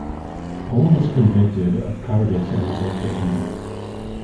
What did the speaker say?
Hull was convicted of cowardice and neglect of duty.